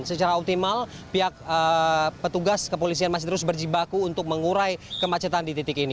secara optimal pihak petugas kepolisian masih terus berjibaku untuk mengurai kemacetan di titik ini